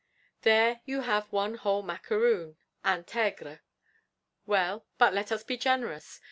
There you have one whole macaroon (intègre): well, but let us be generous.